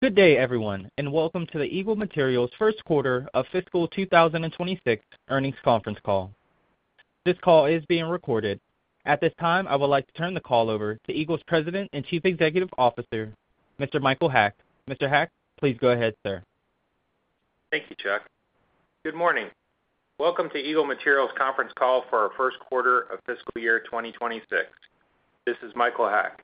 Good day, everyone, and welcome to the Eagle Materials First Quarter of Fiscal 2026 Earnings Conference Call. This call is being recorded. At this time, I would like to turn the call over to Eagle's President and Chief Executive Officer, Mr. Michael Haack. Mr. Haack, please go ahead, sir. Thank you, Chuck. Good morning. Welcome to Eagle Materials conference call for our first quarter of fiscal year 2026. This is Michael Haack.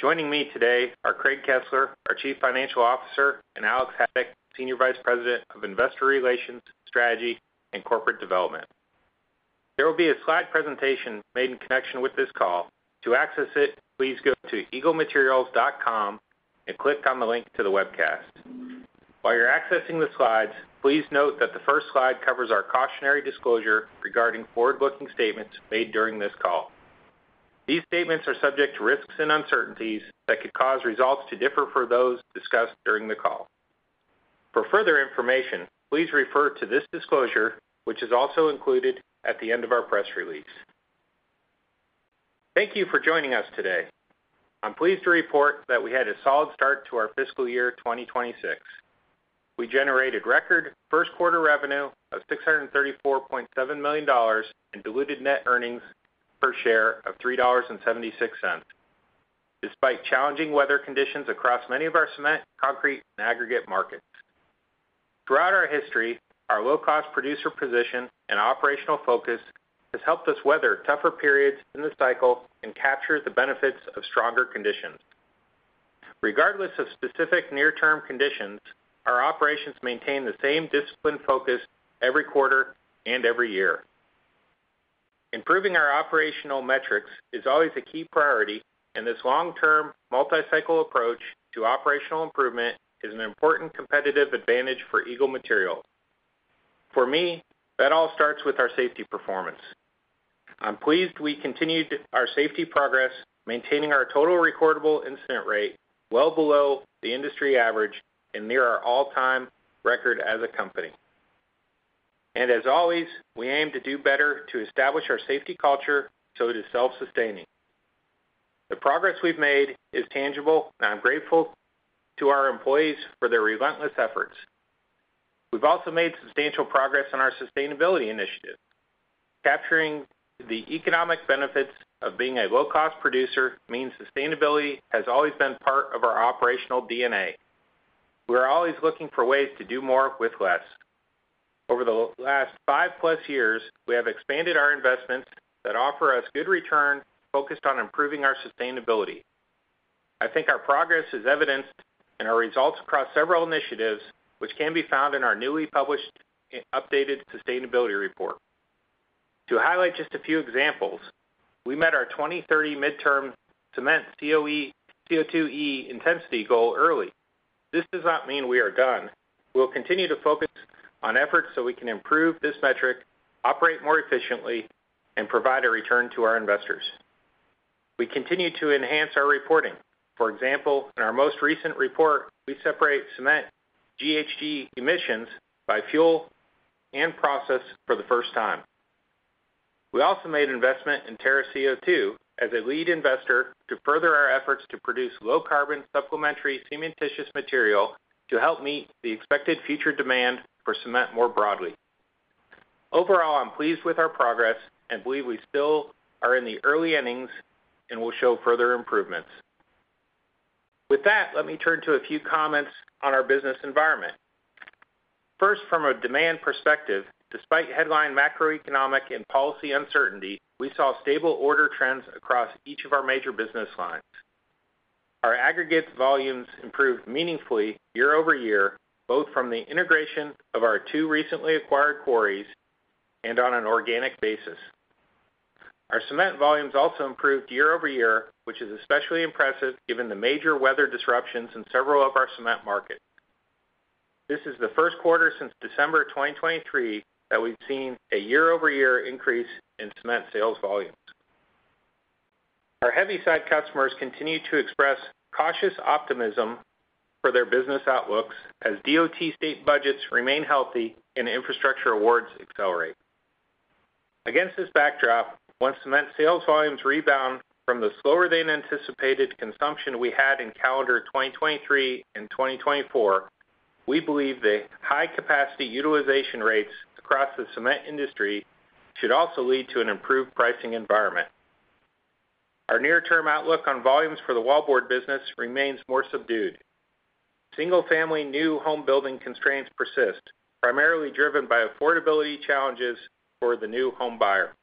Joining me today are Craig Kesler, our Chief Financial Officer, and Alex Haddock, Senior Vice President of Investor Relations, Strategy, and Corporate Development. There will be a slide presentation made in connection with this call. To access it, please go to eaglematerials.com and click on the link to the webcast. While you're accessing the slides, please note that the first slide covers our cautionary disclosure regarding forward-looking statements made during this call. These statements are subject to risks and uncertainties that could cause results to differ from those discussed during the call. For further information, please refer to this disclosure, which is also included at the end of our press release. Thank you for joining us today. I'm pleased to report that we had a solid start to our fiscal year 2026. We generated record first-quarter revenue of $634.7 million and diluted net earnings per share of $3.76, despite challenging weather conditions across many of our cement, concrete, and aggregates markets. Throughout our history, our low-cost producer position and operational focus has helped us weather tougher periods in the cycle and capture the benefits of stronger conditions. Regardless of specific near-term conditions, our operations maintain the same disciplined focus every quarter and every year. Improving our operational metrics is always a key priority in this long-term multi-cycle approach to operational improvement. It's an important competitive advantage for Eagle Materials. For me, that all starts with our safety performance. I'm pleased we continued our safety progress, maintaining our total recordable incident rate well below the industry average and near our all-time record as a company. As always, we aim to do better to establish our safety culture so it is self-sustaining. The progress we've made is tangible, and I'm grateful to our employees for their relentless efforts. We've also made substantial progress on our sustainability initiative. Capturing the economic benefits of being a low-cost producer means sustainability has always been part of our operational DNA. We are always looking for ways to do more with less. Over the last five-plus years, we have expanded our investments that offer us good returns focused on improving our sustainability. I think our progress is evidenced in our results across several initiatives, which can be found in our newly published updated sustainability report. To highlight just a few examples, we met our 2030 midterm cement CO2e intensity goal early. This does not mean we are done. We'll continue to focus on efforts so we can improve this metric, operate more efficiently, and provide a return to our investors. We continue to enhance our reporting. For example, in our most recent report, we separate cement GHG emissions by fuel and process for the first time. We also made investment in Terra CO2 as a lead investor to further our efforts to produce low-carbon supplementary cementitious material to help meet the expected future demand for cement more broadly. Overall, I'm pleased with our progress and believe we still are in the early innings and will show further improvements. With that, let me turn to a few comments on our business environment. First, from a demand perspective, despite headline macroeconomic and policy uncertainty, we saw stable order trends across each of our major business lines. Our aggregate volumes improved meaningfully year-over-year, both from the integration of our two recently acquired quarries and on an organic basis. Our cement volumes also improved year-over-year, which is especially impressive given the major weather disruptions in several of our cement markets. This is the first quarter since December 2023 that we've seen a year-over-year increase in cement sales volumes. Our heavy-side customers continue to express cautious optimism for their business outlooks as DOT state budgets remain healthy and infrastructure awards accelerate. Against this backdrop, once cement sales volumes rebound from the slower-than-anticipated consumption we had in calendar 2023 and 2024, we believe the high-capacity utilization rates across the cement industry should also lead to an improved pricing environment. Our near-term outlook on volumes for the wallboard business remains more subdued. Single-family new home building constraints persist, primarily driven by affordability challenges for the new home buyer.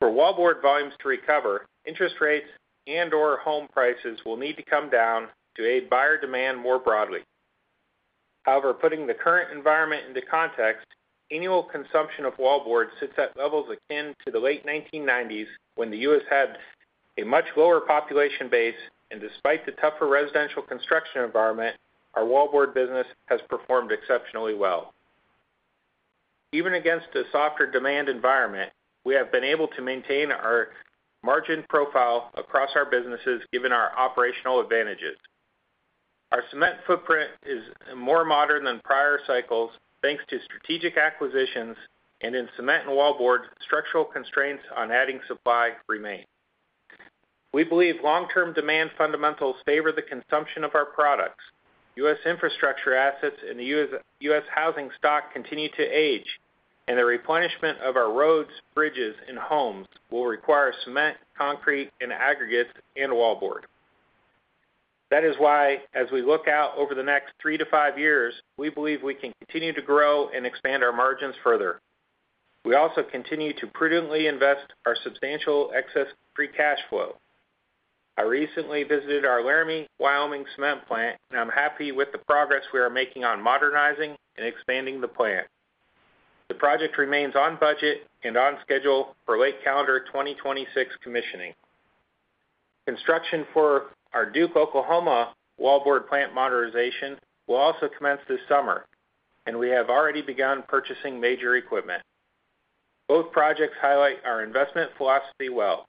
For wallboard volumes to recover, interest rates and/or home prices will need to come down to aid buyer demand more broadly. However, putting the current environment into context, annual consumption of wallboard sits at levels akin to the late 1990s when the U.S. had a much lower population base. Despite the tougher residential construction environment, our wallboard business has performed exceptionally well. Even against a softer demand environment, we have been able to maintain our margin profile across our businesses given our operational advantages. Our cement footprint is more modern than prior cycles, thanks to strategic acquisitions, and in cement and wallboard, structural constraints on adding supply remain. We believe long-term demand fundamentals favor the consumption of our products. U.S. infrastructure assets and the U.S. housing stock continue to age, and the replenishment of our roads, bridges, and homes will require cement, concrete, aggregates, and wallboard. That is why, as we look out over the next three to five years, we believe we can continue to grow and expand our margins further. We also continue to prudently invest our substantial excess free cash flow. I recently visited our Laramie, Wyoming cement plant, and I'm happy with the progress we are making on modernizing and expanding the plant. The project remains on budget and on schedule for late calendar 2026 commissioning. Construction for our Duke, Oklahoma wallboard plant modernization will also commence this summer, and we have already begun purchasing major equipment. Both projects highlight our investment philosophy well.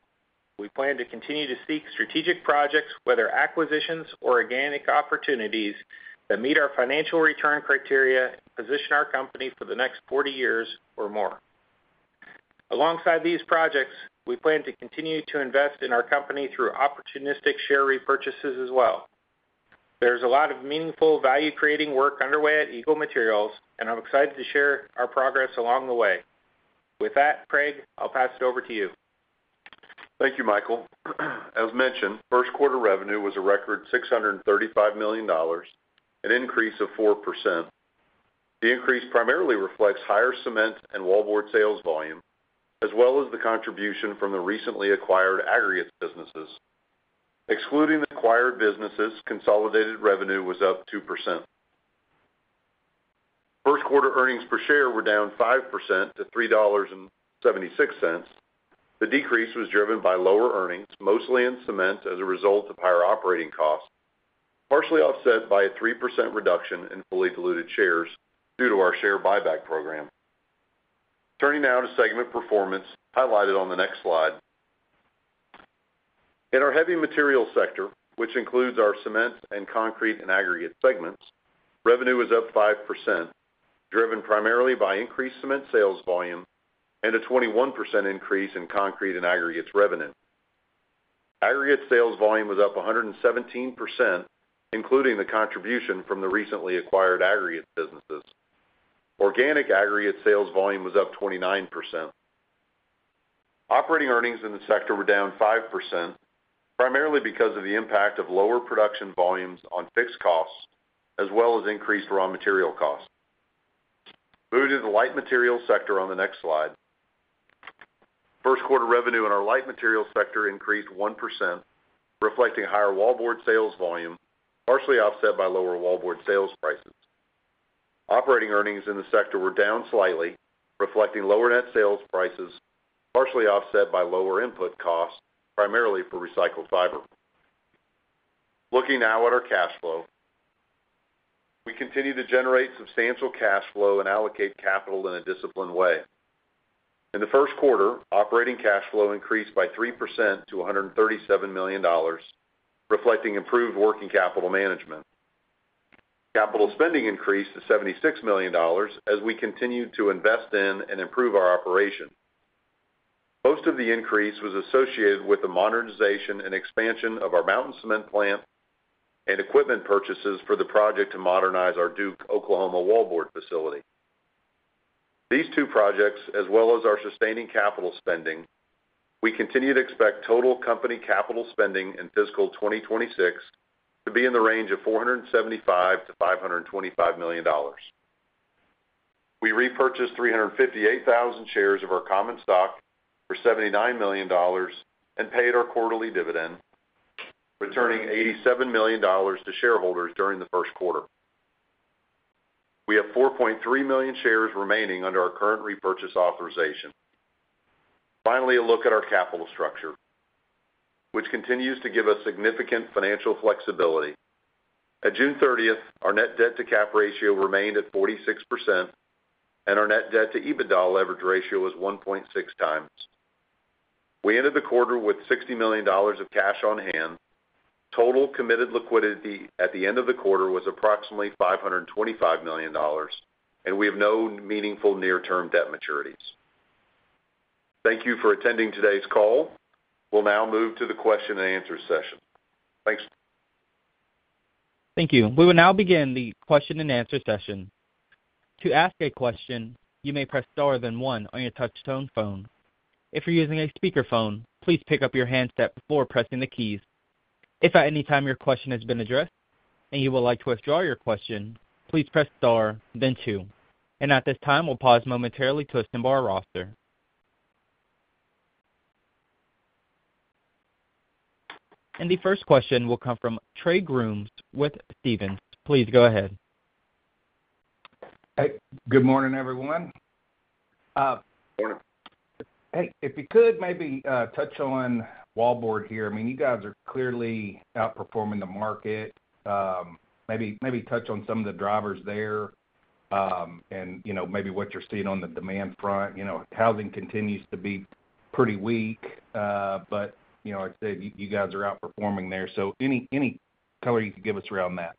We plan to continue to seek strategic projects, whether acquisitions or organic opportunities that meet our financial return criteria and position our company for the next 40 years or more. Alongside these projects, we plan to continue to invest in our company through opportunistic share repurchases as well. There is a lot of meaningful value-creating work underway at Eagle Materials, and I'm excited to share our progress along the way. With that, Craig, I'll pass it over to you. Thank you, Michael. As mentioned, first quarter revenue was a record $635 million, an increase of 4%. The increase primarily reflects higher cement and wallboard sales volume, as well as the contribution from the recently acquired aggregates businesses. Excluding acquired businesses, consolidated revenue was up 2%. First quarter earnings per share were down 5% to $3.76. The decrease was driven by lower earnings, mostly in cement, as a result of higher operating costs, partially offset by a 3% reduction in fully diluted shares due to our share buyback program. Turning now to segment performance highlighted on the next slide. In our heavy materials sector, which includes our cement and concrete and aggregates segments, revenue was up 5%, driven primarily by increased cement sales volume and a 21% increase in concrete and aggregates revenue. Aggregate sales volume was up 117%, including the contribution from the recently acquired aggregates businesses. Organic aggregate sales volume was up 29%. Operating earnings in the sector were down 5%, primarily because of the impact of lower production volumes on fixed costs, as well as increased raw material costs. Moving to the light materials sector on the next slide, first quarter revenue in our light materials sector increased 1%, reflecting higher wallboard sales volume, partially offset by lower wallboard sales prices. Operating earnings in the sector were down slightly, reflecting lower net sales prices, partially offset by lower input costs, primarily for recycled fiber. Looking now at our cash flow, we continue to generate substantial cash flow and allocate capital in a disciplined way. In the first quarter, operating cash flow increased by 3% to $137 million, reflecting improved working capital management. Capital spending increased to $76 million as we continued to invest in and improve our operation. Most of the increase was associated with the modernization and expansion of our Mountain Cement plant and equipment purchases for the project to modernize our Duke, Oklahoma wallboard facility. These two projects, as well as our sustaining capital spending, we continue to expect total company capital spending in fiscal 2026 to be in the range of $475-$525 million. We repurchased 358,000 shares of our common stock for $79 million and paid our quarterly dividend, returning $87 million to shareholders during the first quarter. We have 4.3 million shares remaining under our current repurchase authorization. Finally, a look at our capital structure, which continues to give us significant financial flexibility. At June 30th, our net debt-to-capitalization ratio remained at 46%, and our net debt-to-EBITDA leverage ratio was 1.6x. We ended the quarter with $60 million of cash on hand. Total committed liquidity at the end of the quarter was approximately $525 million, and we have no meaningful near-term debt maturities. Thank you for attending today's call. We'll now move to the question and answer session. Thank you. We will now begin the question and answer session. To ask a question, you may press star then one on your touch-tone phone. If you're using a speakerphone, please pick up your handset before pressing the keys. If at any time your question has been addressed and you would like to withdraw your question, please press star then two. At this time, we'll pause momentarily to assemble our roster. The first question will come from Trey Grooms with Stephens. Please go ahead. Hey, good morning, everyone. If you could maybe touch on wallboard here. I mean, you guys are clearly outperforming the market. Maybe touch on some of the drivers there, and you know maybe what you're seeing on the demand front. You know, housing continues to be pretty weak, but I said you guys are outperforming there. Any color you could give us around that.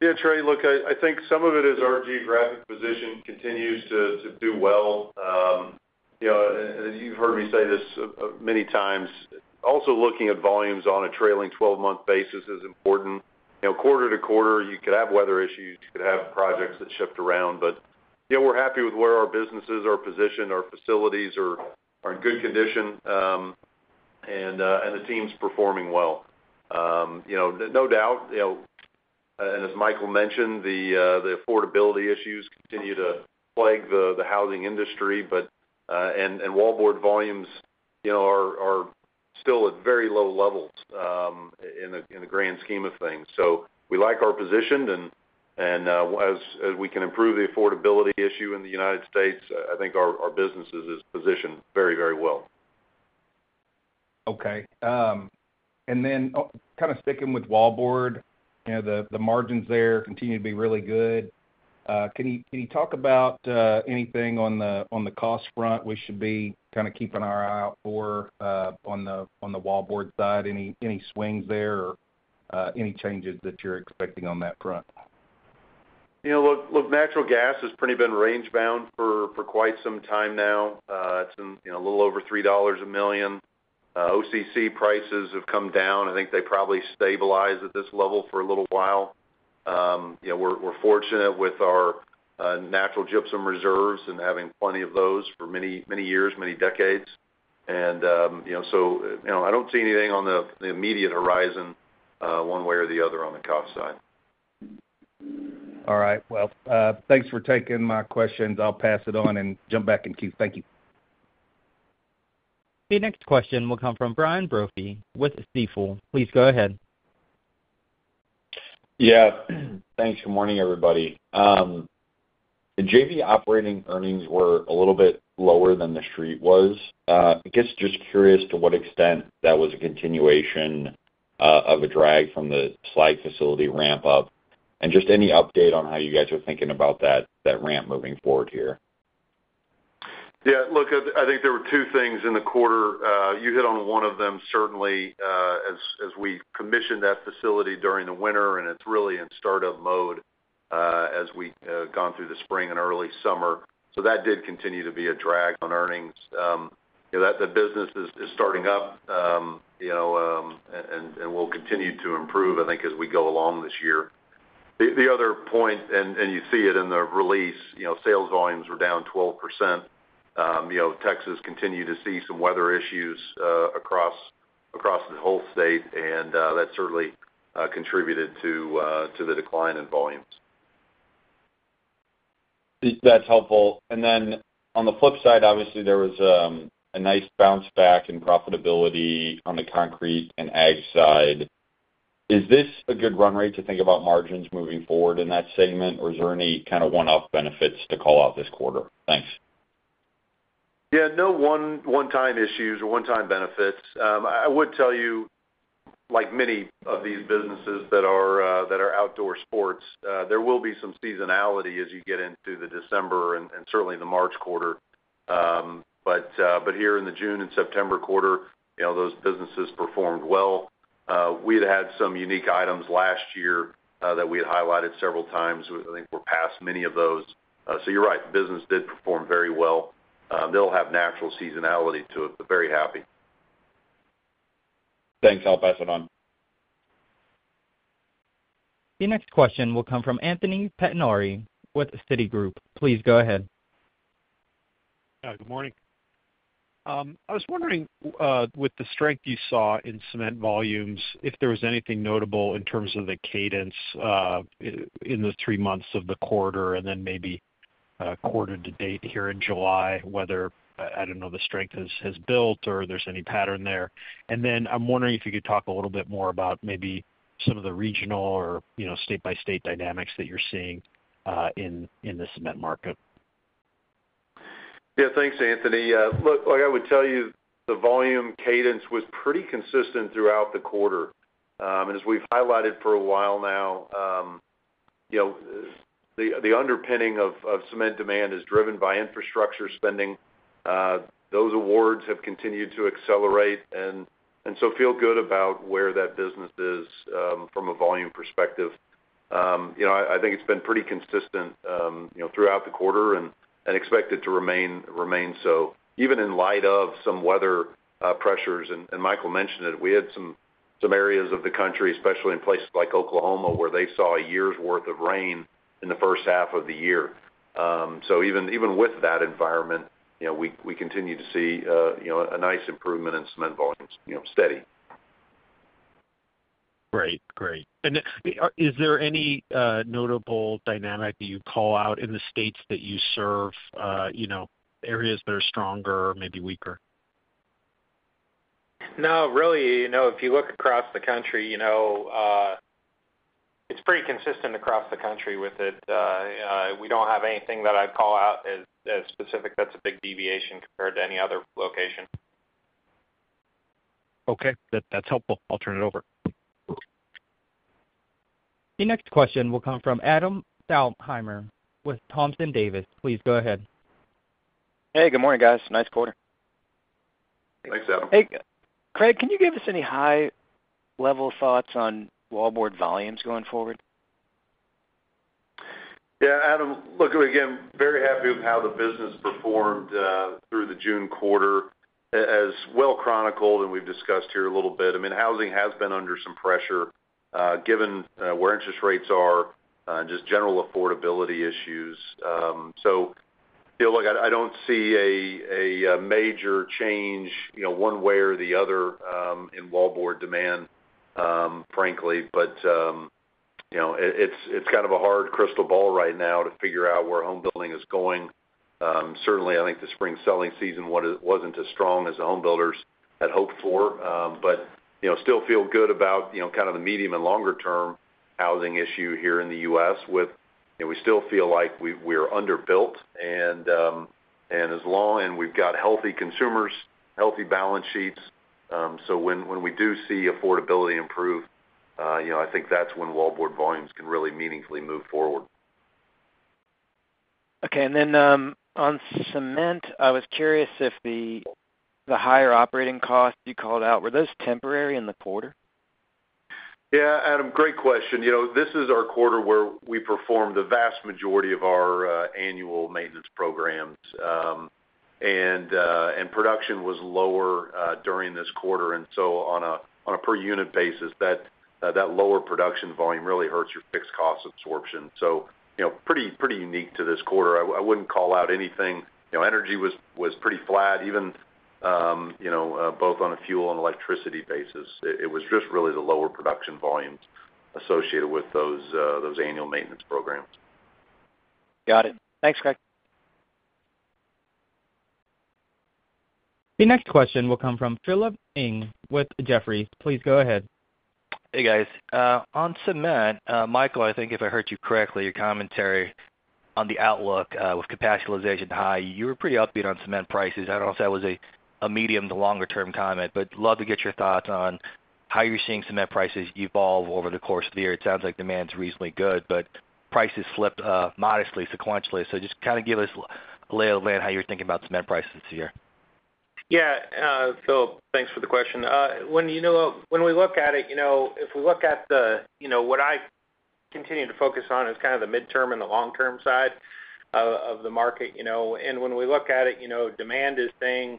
Yeah, Trey, look, I think some of it is our geographic position continues to do well. You know, and you've heard me say this many times. Also, looking at volumes on a trailing 12-month basis is important. You know, quarter-to-quarter, you could have weather issues, you could have projects that shift around. We're happy with where our businesses are positioned. Our facilities are in good condition, and the team's performing well. You know, no doubt, you know, and as Michael mentioned, the affordability issues continue to plague the housing industry, and wallboard volumes are still at very low levels in the grand scheme of things. We like our position, and as we can improve the affordability issue in the United States, I think our business is positioned very, very well. Okay, and then kind of sticking with wallboard, you know, the margins there continue to be really good. Can you talk about anything on the cost front we should be kind of keeping our eye out for on the wallboard side? Any swings there or any changes that you're expecting on that front? You know, natural gas has pretty been range-bound for quite some time now. It's in, you know, a little over $3 a million. OCC prices have come down. I think they probably stabilize at this level for a little while. You know, we're fortunate with our natural gypsum reserves and having plenty of those for many, many years, many decades. You know, I don't see anything on the immediate horizon, one way or the other on the cost side. All right. Thanks for taking my questions. I'll pass it on and jump back in, Keith. Thank you. The next question will come from Brian Brophy with Stifel. Please go ahead. Yeah. Thanks. Good morning, everybody. The JV operating earnings were a little bit lower than the street was. I guess just curious to what extent that was a continuation of a drag from the slide facility ramp-up, and just any update on how you guys are thinking about that ramp moving forward here? Yeah, look, I think there were two things in the quarter. You hit on one of them, certainly, as we commissioned that facility during the winter, and it's really in startup mode as we have gone through the spring and early summer. That did continue to be a drag on earnings. You know, the business is starting up and will continue to improve, I think, as we go along this year. The other point, and you see it in the release, sales volumes were down 12%. Texas continued to see some weather issues across the whole state. That certainly contributed to the decline in volumes. That's helpful. On the flip side, obviously, there was a nice bounce back in profitability on the concrete and aggregates side. Is this a good run rate to think about margins moving forward in that segment, or is there any kind of one-off benefits to call out this quarter? Thanks. Yeah, no one-time issues or one-time benefits. I would tell you, like many of these businesses that are outdoor sports, there will be some seasonality as you get into the December and certainly the March quarter. Here in the June and September quarter, you know, those businesses performed well. We had some unique items last year that we had highlighted several times. I think we're past many of those. You're right. The business did perform very well. They'll have natural seasonality to it, but very happy. Thanks. I'll pass it on. The next question will come from Anthony Pettinari with Citigroup. Please go ahead. Good morning. I was wondering, with the strength you saw in cement volumes, if there was anything notable in terms of the cadence in the three months of the quarter and then maybe quarter to date here in July, whether the strength has built or there's any pattern there. I'm wondering if you could talk a little bit more about maybe some of the regional or state-by-state dynamics that you're seeing in the cement market. Yeah, thanks, Anthony. Look, like I would tell you, the volume cadence was pretty consistent throughout the quarter. As we've highlighted for a while now, the underpinning of cement demand is driven by infrastructure spending. Those awards have continued to accelerate. I feel good about where that business is, from a volume perspective. I think it's been pretty consistent throughout the quarter and expected to remain so, even in light of some weather pressures. Michael mentioned it. We had some areas of the country, especially in places like Oklahoma, where they saw a year's worth of rain in the first half of the year. Even with that environment, we continue to see a nice improvement in cement volumes, steady. Great. Is there any notable dynamic that you'd call out in the states that you serve, you know, areas that are stronger or maybe weaker? No, really, if you look across the country, it's pretty consistent across the country with it. We don't have anything that I'd call out as specific that's a big deviation compared to any other location. Okay, that's helpful. I'll turn it over. The next question will come from Adam Thalhimer with Thompson Davis. Please go ahead. Hey, good morning, guys. Nice quarter. Thanks, Adam. Hey, Craig, can you give us any high-level thoughts on wallboard volumes going forward? Yeah, Adam, look, again, very happy with how the business performed through the June quarter as well chronicled and we've discussed here a little bit. I mean, housing has been under some pressure, given where interest rates are, and just general affordability issues. I don't see a major change, you know, one way or the other, in wallboard demand, frankly. You know, it's kind of a hard crystal ball right now to figure out where home building is going. Certainly, I think the spring selling season wasn't as strong as the home builders had hoped for. I still feel good about, you know, kind of the medium and longer-term housing issue here in the U.S. We still feel like we are underbuilt, and as long as we've got healthy consumers, healthy balance sheets, when we do see affordability improve, I think that's when wallboard volumes can really meaningfully move forward. Okay. On cement, I was curious if the higher operating costs you called out were those temporary in the quarter? Yeah, Adam, great question. This is our quarter where we performed the vast majority of our annual maintenance programs, and production was lower during this quarter. On a per unit basis, that lower production volume really hurts your fixed cost absorption. Pretty unique to this quarter. I wouldn't call out anything. Energy was pretty flat, even both on a fuel and electricity basis. It was just really the lower production volumes associated with those annual maintenance programs. Got it. Thanks, Craig. The next question will come from Philip Ng with Jefferies. Please go ahead. Hey, guys. On cement, Michael, I think if I heard you correctly, your commentary on the outlook, with capacitization high, you were pretty upbeat on cement prices. I don't know if that was a medium to longer-term comment, but love to get your thoughts on how you're seeing cement prices evolve over the course of the year. It sounds like demand's reasonably good, but prices slipped, modestly sequentially. Just kind of give us a lay of the land how you're thinking about cement prices this year. Yeah. Philip, thanks for the question. When you know, when we look at it, you know, if we look at the, you know, what I continue to focus on is kind of the midterm and the long-term side of the market. You know, and when we look at it, you know, demand is staying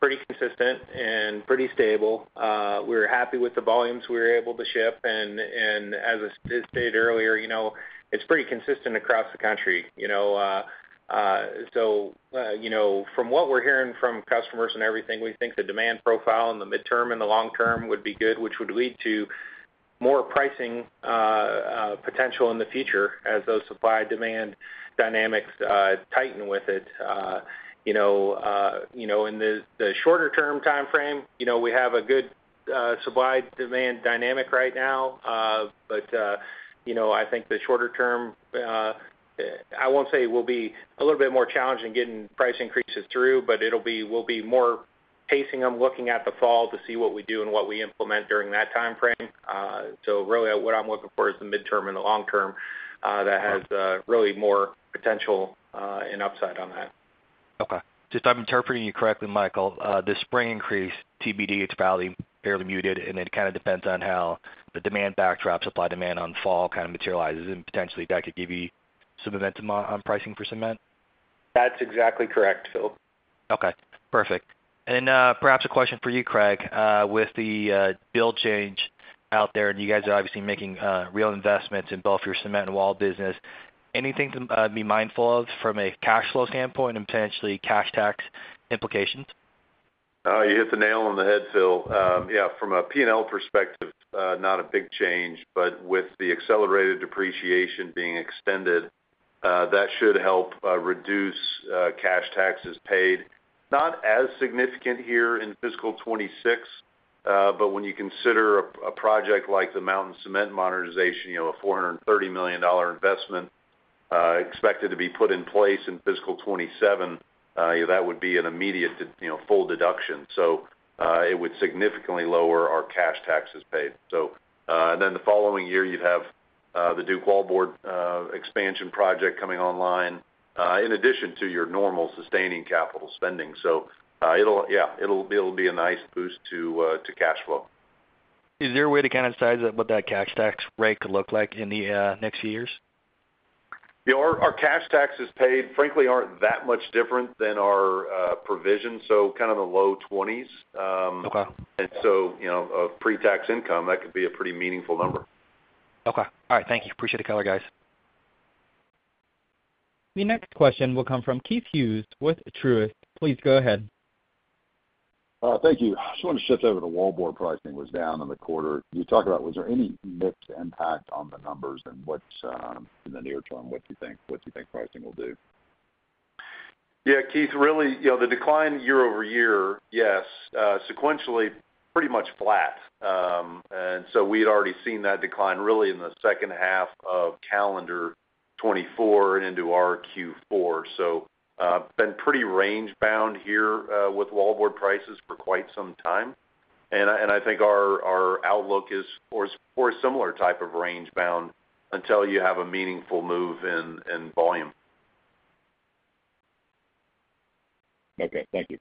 pretty consistent and pretty stable. We're happy with the volumes we were able to ship, and as I stated earlier, you know, it's pretty consistent across the country. You know, from what we're hearing from customers and everything, we think the demand profile in the midterm and the long-term would be good, which would lead to more pricing potential in the future as those supply-demand dynamics tighten with it. You know, in the shorter-term timeframe, you know, we have a good supply-demand dynamic right now. I think the shorter-term, I won't say it will be a little bit more challenging getting price increases through, but we'll be more pacing them, looking at the fall to see what we do and what we implement during that timeframe. Really what I'm looking for is the midterm and the long-term, that has really more potential and upside on that. Okay. Just if I'm interpreting you correctly, Michael, the spring increase TBD, its value fairly muted, and it kind of depends on how the demand backdrop supply-demand on fall kind of materializes. Potentially, that could give you some events on pricing for cement? That's exactly correct, Phil. Okay. Perfect. Perhaps a question for you, Craig, with the bill change out there, and you guys are obviously making real investments in both your cement and wallboard business. Anything to be mindful of from a cash flow standpoint and potentially cash tax implications? Oh, you hit the nail on the head, Phil. Yeah, from a P&L perspective, not a big change, but with the accelerated depreciation being extended, that should help reduce cash taxes paid. Not as significant here in fiscal 2026, but when you consider a project like the Mountain Cement modernization, you know, a $430 million investment, expected to be put in place in fiscal 2027, you know, that would be an immediate, you know, full deduction. It would significantly lower our cash taxes paid. The following year, you'd have the Duke wallboard expansion project coming online, in addition to your normal sustaining capital spending. It'll be a nice boost to cash flow. Is there a way to kind of size up what that cash tax rate could look like in the next few years? Yeah, our cash taxes paid, frankly, aren't that much different than our provision. Kind of the low 20s, okay. You know, a pre-tax income, that could be a pretty meaningful number. Okay. All right. Thank you. Appreciate the color, guys. The next question will come from Keith Hughes with Truist. Please go ahead. All right. Thank you. I just wanted to shift over to wallboard. Pricing was down in the quarter. You talked about, was there any mixed impact on the numbers, and in the near term, what do you think pricing will do? Yeah, Keith, really, you know, the decline year-over-year, yes. Sequentially, pretty much flat, and we had already seen that decline really in the second half of calendar 2024 and into our Q4. We've been pretty range-bound here with wallboard prices for quite some time, and I think our outlook is for a similar type of range-bound until you have a meaningful move in volume. Okay, thank you.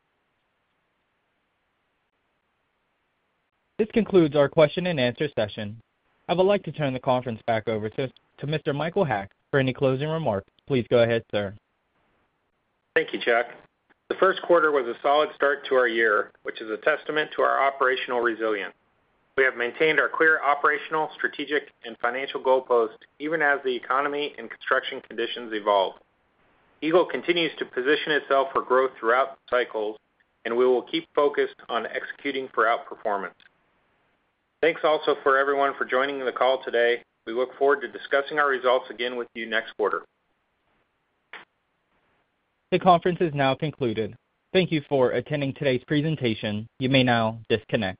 This concludes our question and answer session. I would like to turn the conference back over to Mr. Michael Haack for any closing remarks. Please go ahead, sir. Thank you, Chuck. The first quarter was a solid start to our year, which is a testament to our operational resilience. We have maintained our clear operational, strategic, and financial goalposts even as the economy and construction conditions evolve. Eagle continues to position itself for growth throughout the cycles, and we will keep focused on executing throughout performance. Thanks also to everyone for joining the call today. We look forward to discussing our results again with you next quarter. The conference is now concluded. Thank you for attending today's presentation. You may now disconnect.